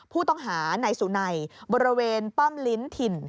ผู้ต้องหานายสุนัยบริเวณป้อมลิ้นถิ่น